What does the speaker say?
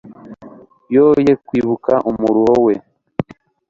yoye kwibuka umuruho we